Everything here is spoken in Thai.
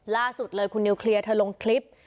ล่าสุดเลยคุณนิวเคลียร์เธอลงคลิป